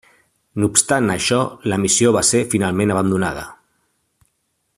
No obstant això, la missió va ser finalment abandonada.